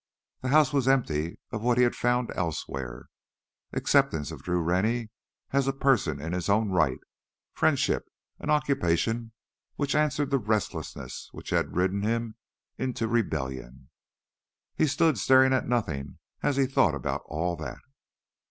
The house was empty of what he had found elsewhere acceptance of Drew Rennie as a person in his own right, friendship, an occupation which answered the restlessness which had ridden him into rebellion. He stood staring at nothing as he thought about all that.